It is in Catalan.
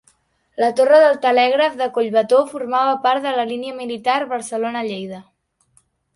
La torre del telègraf de Collbató formava part de la línia militar Barcelona-Lleida.